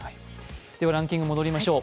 ランキング戻りましょう。